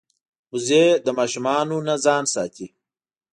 وزې له ماشومانو نه ځان ساتي